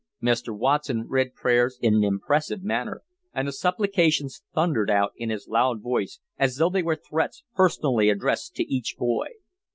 Mr. Watson read prayers in an impressive manner, and the supplications thundered out in his loud voice as though they were threats personally addressed to each boy.